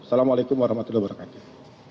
assalamu'alaikum warahmatullahi wabarakatuh